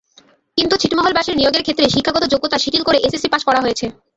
কিন্তু ছিটমহলবাসীর নিয়োগের ক্ষেত্রে শিক্ষাগত যোগ্যতা শিথিল করে এসএসসি পাস করা হয়েছে।